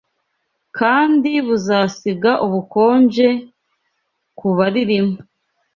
kandi buzasiga ubukonje ku baririmo